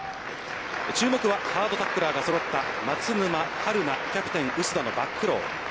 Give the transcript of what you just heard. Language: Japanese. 注目はハードラックラーがそろった松沼、春名キャプテン薄田のバックロー。